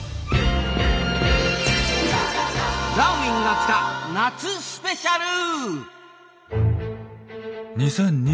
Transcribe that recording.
「ダーウィンが来た！」夏スペシャル！